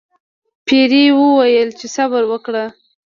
پیري وویل چې صبر وکړه.